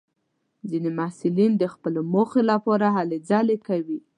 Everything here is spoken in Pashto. ځینې محصلین د خپلو موخو لپاره هلې ځلې کوي.